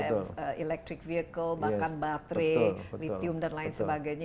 electric vehicle bahkan baterai litium dan lain sebagainya